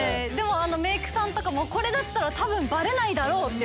メークさんとかもこれだったらバレないだろうって。